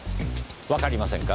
わかりませんか？